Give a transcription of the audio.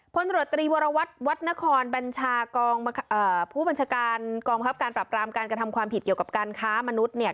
พลตรวจตรีวรวัตรวัดนครบัญชากองผู้บัญชาการกองบังคับการปรับรามการกระทำความผิดเกี่ยวกับการค้ามนุษย์เนี่ย